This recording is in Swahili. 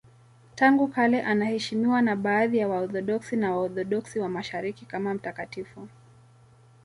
Tangu kale anaheshimiwa na baadhi ya Waorthodoksi na Waorthodoksi wa Mashariki kama mtakatifu.